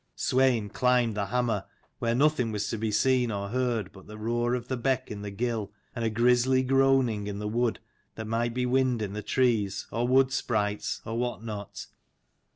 Swein climbed the hammer, where nothing was to be seen or heard, but the roar of the beck in the gill, and a grisly groaning in the wood, that might be wind in the trees, or wood sprites, or what not.